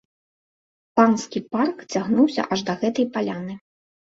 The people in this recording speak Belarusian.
Панскі парк цягнуўся аж да гэтай паляны.